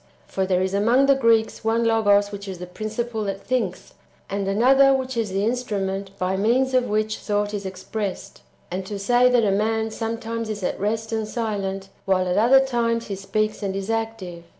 ^ for there is among the Greeks one logos which is the principle that thinks, and another which is the instrument by means of which thought is expressed) ; and [to say] that a man some times is at rest and silent, while at other times he speaks and is active.